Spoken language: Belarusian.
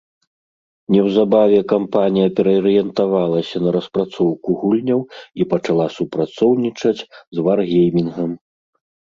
Неўзабаве кампанія пераарыентавалася на распрацоўку гульняў і пачала супрацоўнічаць з «Варгеймінгам».